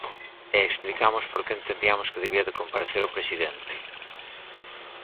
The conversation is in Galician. E explicamos por que entendiamos que debía de comparecer o presidente.